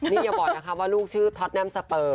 นี่อย่าบอกนะคะว่าลูกชื่อท็อตแนมสเปอร์